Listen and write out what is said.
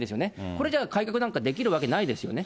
これじゃ、改革なんかできるわけないですよね。